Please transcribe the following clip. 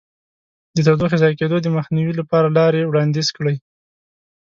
د تودوخې ضایع کېدو د مخنیوي لپاره لارې وړاندیز کړئ.